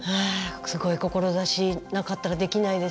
すごい志なかったらできないですよね。